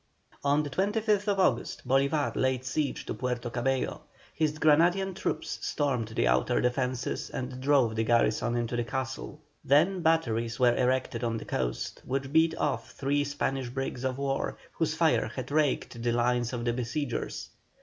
On the 25th August Bolívar laid siege to Puerto Cabello. His Granadian troops stormed the outer defences and drove the garrison into the castle. Then batteries were erected on the coast, which beat off three Spanish brigs of war whose fire had raked the lines of the besiegers.